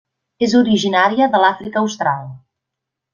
És originària de l'Àfrica Austral.